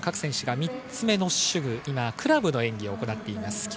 ３つ目の手具、クラブの演技を行っています。